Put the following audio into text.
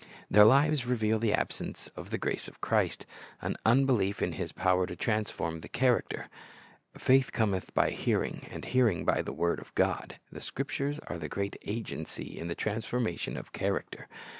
Their lives reveal the absence of the grace of Christ, an unbelief in His power to transform the character. "Faith Cometh by hear ing, and hearing by the word of God." The Scrip tures are the great agency in the transformation of character.